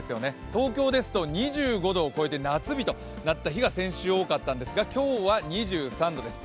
東京ですと２５度を超えて夏日となった日が先週、多かったんですが今日は２３度です。